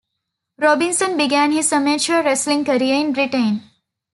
Robinson began his amateur wrestling career in Britain.